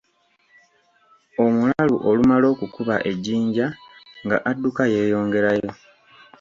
Omulalu olumala okukuba ejjinja nga adduka yeeyongerayo.